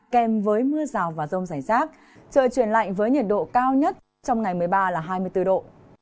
kèm với mưa rào và rông rải rác trời chuyển lạnh với nhiệt độ cao nhất trong ngày một mươi ba hai mươi bốn độ